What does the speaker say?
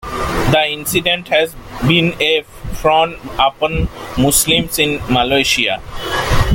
The incident has been a frown upon Muslims in Malaysia.